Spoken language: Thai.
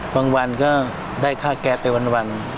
วันก็ได้ค่าแก๊สไปวัน